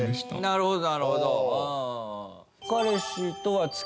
なるほど。